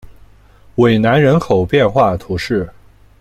韦南人口变化图示